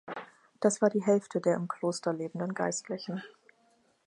Das war die Hälfte der im Kloster lebenden Geistlichen.